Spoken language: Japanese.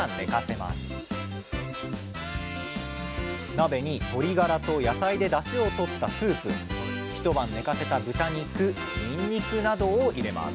鍋に鶏ガラと野菜でだしを取ったスープ一晩寝かせた豚肉ニンニクなどを入れます